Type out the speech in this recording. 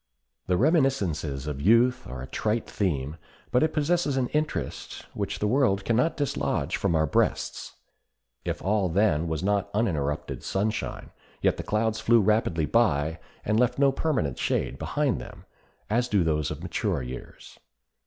The reminiscences of youth are a trite theme, but it possesses an interest which the world can not dislodge from our breasts. If all then was not uninterrupted sunshine, yet the clouds flew rapidly by, and left no permanent shade behind them, as do those of mature years.